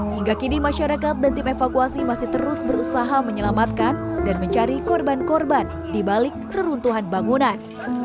hingga kini masyarakat dan tim evakuasi masih terus berusaha menyelamatkan dan mencari korban korban di balik reruntuhan bangunan